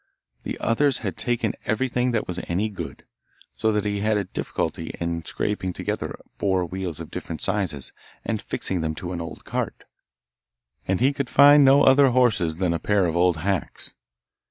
The others had taken everything that was any good, so that he had a difficulty in scraping together four wheels of different sizes and fixing them to an old cart, and he could find no other horses than a pair of old hacks.